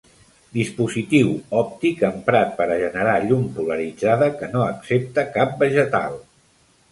Dispositiu òptic emprat per a generar llum polaritzada que no accepta cap vegetal.